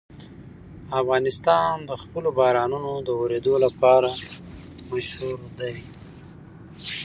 افغانستان د خپلو بارانونو د اورېدو لپاره مشهور دی.